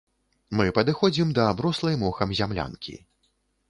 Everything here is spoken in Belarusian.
Мы падыходзім да аброслай мохам зямлянкі.